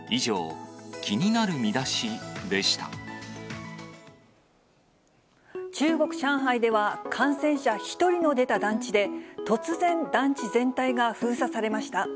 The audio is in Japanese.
以上、中国・上海では、感染者１人が出た団地で、突然、団地全体が封鎖されました。